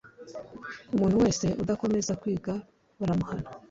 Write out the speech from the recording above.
umuntu wese udakomeza kwiga baramuhana